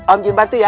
om jin bantu ya